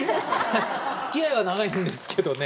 つきあいは長いんですけどね。